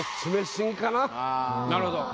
なるほど。